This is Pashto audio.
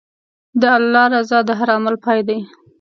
د الله رضا د هر عمل پای دی.